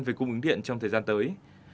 về cung ứng điện trong thời gian tới